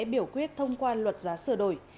biểu quyết thông qua luật giá sửa đổi